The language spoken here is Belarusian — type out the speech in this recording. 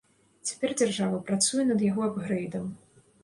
Цяпер дзяржава працуе над яго апгрэйдам.